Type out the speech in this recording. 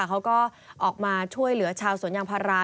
เขาก็ออกมาช่วยเหลือชาวสวนยางพารา